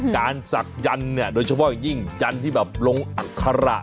การศักดิ์ยันเนี่ยโดยเฉพาะอย่างยิ่งยันที่แบบลงอักษระ